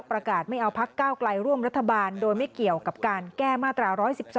ประกาศไม่เอาพักก้าวไกลร่วมรัฐบาลโดยไม่เกี่ยวกับการแก้มาตรา๑๑๒